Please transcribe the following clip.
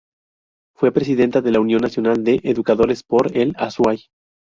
Fue presidenta de la Unión Nacional de Educadores por el Azuay.